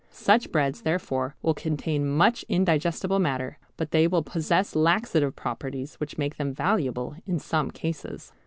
Such breads therefore will contain much indigestible matter, but they will possess laxative properties which make them valuable in some cases.